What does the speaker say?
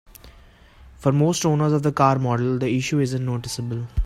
For most owners of the car model, the issue isn't noticeable.